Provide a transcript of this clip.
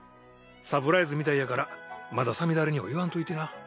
サプライズみたいやからまださみだれには言わんといてな。